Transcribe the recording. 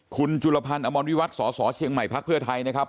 คุณจุลพันธ์อมรวิวัตรสสเชียงใหม่พักเพื่อไทยนะครับ